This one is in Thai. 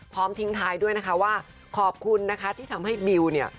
ทิ้งท้ายด้วยนะคะว่าขอบคุณนะคะที่ทำให้บิวเนี่ย